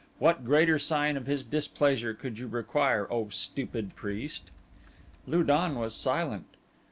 What greater sign of his displeasure could you require, O stupid priest?" Lu don was silent.